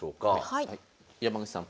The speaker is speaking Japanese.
山口さん